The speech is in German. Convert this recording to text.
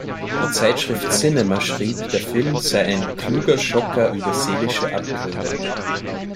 Die Zeitschrift "Cinema" schrieb, der Film sei ein „"kluger Schocker über seelische Abgründe"“.